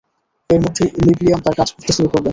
এর মধ্যেই লিব্লিয়াম তার কাজ করতে শুরু করবে।